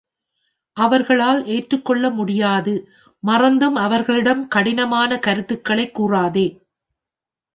அவர்களால் ஏற்றுக்கொள்ள முடியாது மறந்தும் அவர்களிடம் கடினமான கருத்துகளைக் கூறாதே.